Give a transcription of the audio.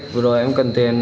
vừa rồi em cần tiền